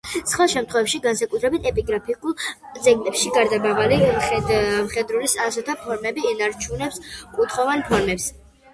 სხვა შემთხვევებში, განსაკუთრებით ეპიგრაფიკულ ძეგლებში, გარდამავალი მხედრულის ასოთა ფორმები ინარჩუნებენ კუთხოვან ფორმებს.